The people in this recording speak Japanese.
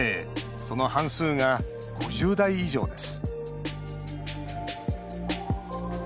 その半数が５０代以上です